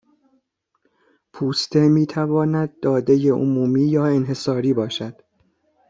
پوسته میتواند داده عمومی یا انحصاری باشد